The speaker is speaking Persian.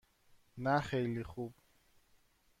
نه خیلی خوب.